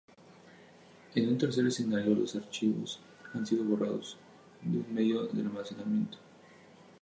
En un tercer escenario, los archivos han sido "borrados" de un medio de almacenamiento.